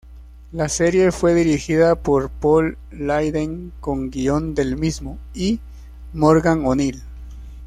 La serie fue dirigida por Paul Leyden con guion del mismo y Morgan O'Neill.